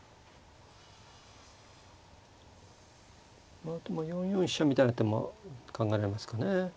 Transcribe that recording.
まあでも４四飛車みたいな手も考えられますかね。